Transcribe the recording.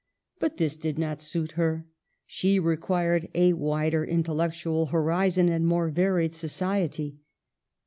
But this did not suit her ; she required a wider intellectual horizon and more varied society.